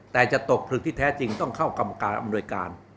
แต่จะตกผลึกที่แท้จริงต้องเข้ากรรมการอำนวยการ